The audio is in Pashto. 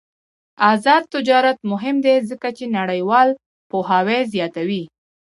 آزاد تجارت مهم دی ځکه چې نړیوال پوهاوی زیاتوي.